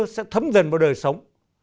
sẽ thấm dần vào đời sống